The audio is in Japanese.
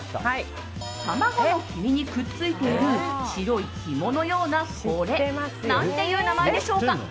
卵の黄身にくっついている白いひものようなこれ何ていう名前でしょうか？